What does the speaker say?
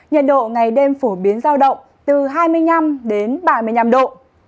nhiệt độ ngày đêm phổ biến giao động từ hai mươi năm đến ba mươi năm độ